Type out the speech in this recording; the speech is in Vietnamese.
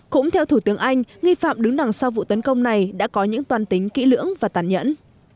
cũng theo thủ tướng anh nghi phạm đứng đằng sau vụ tấn công này đã có những toàn tính kỹ lưỡng và tàn nhẫn